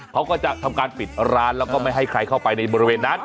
เขาก็จะทำการปิดร้านแล้วก็ไม่ให้ใครเข้าไปในบริเวณนั้น